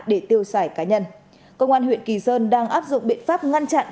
để tiêu xài cá nhân công an huyện kỳ sơn đang áp dụng biện pháp ngăn chặn